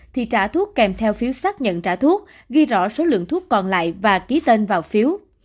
thì trả thuốc kèm theo phiếu xác nhận trả thuốc ghi rõ số lượng thuốc còn lại và ký tên vào phiếu